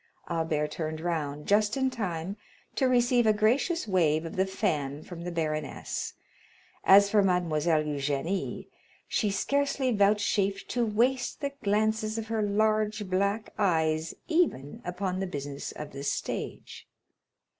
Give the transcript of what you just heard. Albert turned round, just in time to receive a gracious wave of the fan from the baroness; as for Mademoiselle Eugénie, she scarcely vouchsafed to waste the glances of her large black eyes even upon the business of the stage.